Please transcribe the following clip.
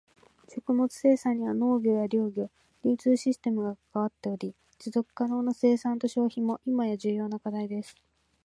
食物生産には農業や漁業、流通システムが関わっており、持続可能な生産と消費も今や重要な課題です。